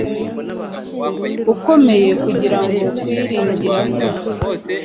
ukomeye kugira ngo kwiringira kwe